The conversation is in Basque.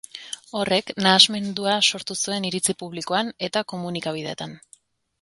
Horrek nahasmendua sortu zuen iritzi publikoan eta eta komunikabideetan.